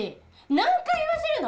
何回言わせるの！